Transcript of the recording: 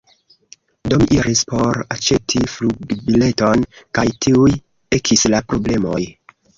Do mi iris por aĉeti flugbileton, kaj tuj ekis la problemoj.